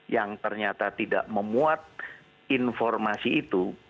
yang ternyata tidak memuat informasi itu